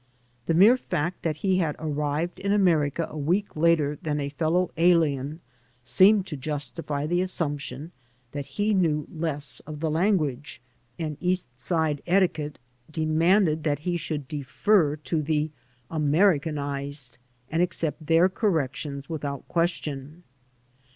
The mere fact that he had arrived in America a week later than a fellow alien seemed to justify the assumption that he knew less of the language, and East Side etiquette demanded 102 VENTURES AND ADVENTURES that he should defer to the ''Americanized'' and accept their corrections without question.